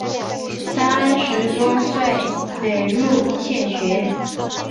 三十多岁得入县学。